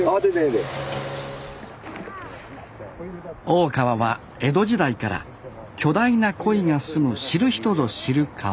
大川は江戸時代から巨大なコイが住む知る人ぞ知る川